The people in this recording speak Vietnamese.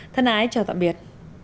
thân ái chào tạm biệt